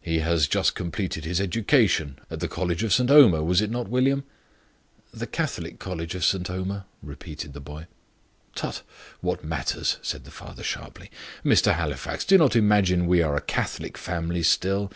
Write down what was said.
He has just completed his education at the College of St. Omer, was it not, William?" "The Catholic college of St. Omer," repeated the boy. "Tut what matters!" said the father, sharply. "Mr. Halifax, do not imagine we are a Catholic family still.